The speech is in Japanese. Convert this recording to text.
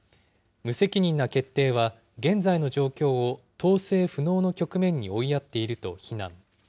無責任な決定は現在の状況を統制不能の局面に追いやっていると非難。